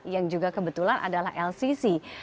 yang juga kebetulan adalah lcc